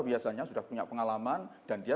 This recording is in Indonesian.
biasanya sudah punya pengalaman dan dia